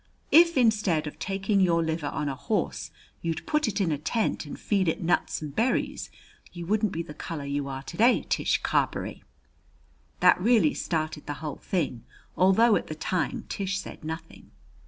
If instead of taking your liver on a horse you'd put it in a tent and feed it nuts and berries, you wouldn't be the color you are to day, Tish Carberry." That really started the whole thing, although at the time Tish said nothing.